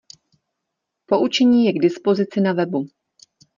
Poučení je k dispozici na webu.